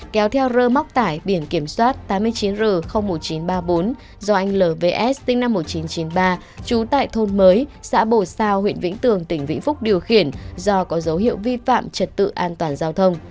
kéo theo rơ móc tải biển kiểm soát tám mươi chín r một nghìn chín trăm ba mươi bốn do anh lvs sinh năm một nghìn chín trăm chín mươi ba trú tại thôn mới xã bồ sao huyện vĩnh tường tỉnh vĩnh phúc điều khiển do có dấu hiệu vi phạm trật tự an toàn giao thông